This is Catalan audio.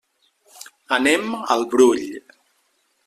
Anem al Brull.